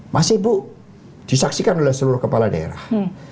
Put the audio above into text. masih bu disaksikan oleh seluruh kepala daerah